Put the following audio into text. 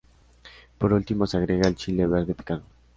Por último se agrega el chile verde picado.